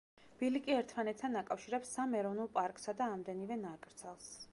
ბილიკი ერთმანეთთან აკავშირებს სამ ეროვნულ პარკსა და ამდენივე ნაკრძალს.